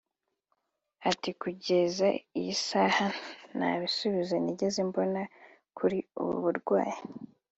Ati “Kugeza iyi saha nta bisubizo nigeze mbona kuri ubu burwayi